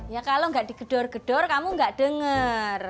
ya kalo ga di gedor gedor kamu ga denger